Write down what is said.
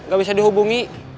gak bisa dihubungi